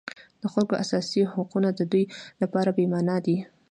د خلکو اساسي حقونه د دوی لپاره بېمعنا دي.